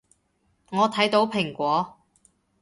我睇到蘋果